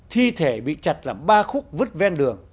thi thể bị chặt làm ba khúc vứt ven đường